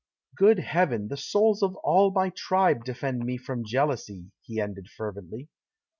"Good Heaven! the souls of all my tribe defend me from jealousy!" he ended fervently.